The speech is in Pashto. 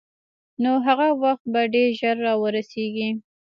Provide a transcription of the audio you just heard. نو هغه وخت به ډېر ژر را ورسېږي.